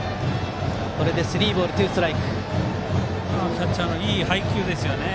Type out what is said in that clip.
キャッチャーのいい配球ですね。